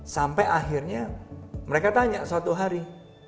sampai akhirnya mereka tanya suatu hari